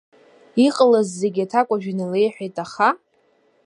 Иҟалаз зегьы аҭакәажә иналеиҳәеит, аха…